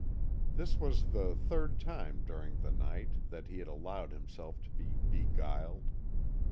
This was the third time during the night that he had allowed himself to be beguiled.